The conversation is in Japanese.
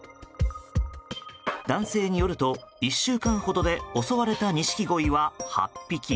男性によると１週間ほどで襲われたニシキゴイは８匹。